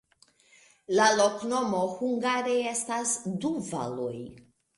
La loknomo hungare estas: du valoj.